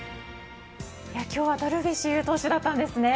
今日はダルビッシュ有投手だったんですね。